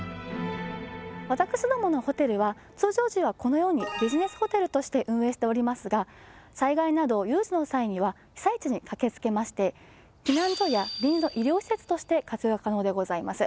私どものホテルは通常時はこのようにビジネスホテルとして運営しておりますが災害など有事の際には被災地に駆けつけまして避難所や臨時の医療施設として活用が可能でございます。